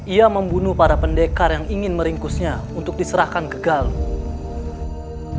ia membunuh para pendekar yang ingin meringkusnya untuk diserahkan ke galuh